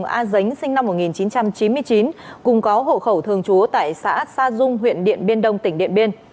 mùa a dánh sinh năm một nghìn chín trăm chín mươi chín cùng có hộ khẩu thường chúa tại xã sa dung huyện điện biên đông tỉnh điện biên